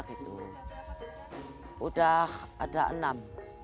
itu udah ada enam